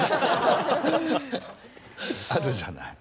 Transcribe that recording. あるじゃない。